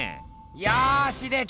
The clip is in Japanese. よしできた。